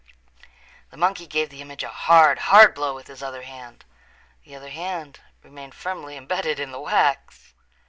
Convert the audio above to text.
The monkey gave the image a hard, hard blow with his other hand. The other hand remained firmly embedded in the wax.